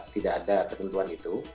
tidak ada ketentuan itu